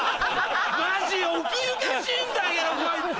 マジ奥ゆかしいんだけどこいつ！